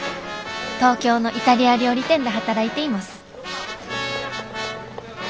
東京のイタリア料理店で働いています